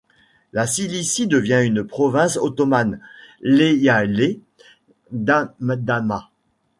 La Cilicie devient une province ottomane, l'eyalet d'Adana.